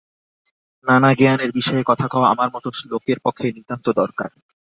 নানা জ্ঞানের বিষয়ে কথা কওয়া আমার মতো লোকের পক্ষে নিতান্ত দরকার।